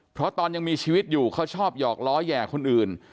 เพราะตอนยังมีชีวิตอยู่เขาชอบหยอกล้อแห่คนอื่น